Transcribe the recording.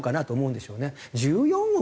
１４億